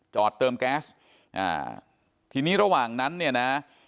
เติมแก๊สอ่าทีนี้ระหว่างนั้นเนี่ยนะ